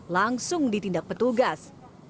langsung ditindak petugas